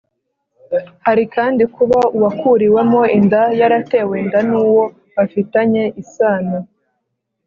Hari kandi kuba uwakuriwemo inda yaratewe inda n’uwo bafitanye isano